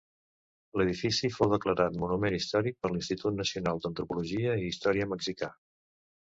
L'edifici fou declarat monument històric per l'Institut Nacional d'Antropologia i Història mexicà.